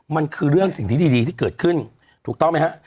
มันคือเรื่องสิ่งที่ดีที่เกิดขึ้นถูกต้องไหมฮะ